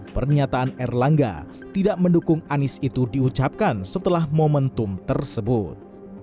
pernyataan erlangga tidak mendukung anies itu diucapkan setelah momentum tersebut